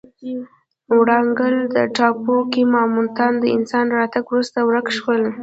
ورانګل ټاپو کې ماموتان د انسان له راتګ وروسته ورک شول.